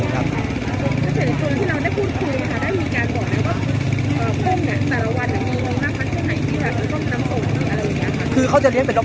สวัสดีครับทุกคนวันนี้เกิดขึ้นทุกวันนี้นะครับ